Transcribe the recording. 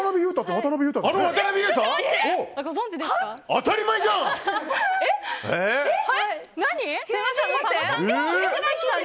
当たり前じゃん！